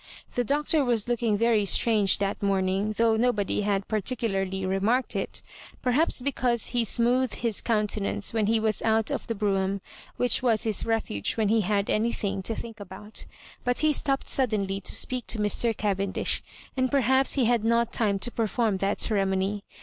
The Doctor was looking very strange that morn ing, though nobody had particularly remarked it — perhaps because he smoothed his counte nance when he was out of the brougham, which was his refuge when he had anything to think about But he stopped suddenly to speak to Mr. Cavendish, and perhaps he had not time to per form that ceremony.